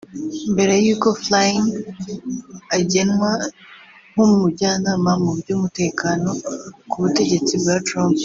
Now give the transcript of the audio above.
mbere y'uko Flynn agenwa nk’umujyanama mu by’umutekano ku butegetsi bwa Trump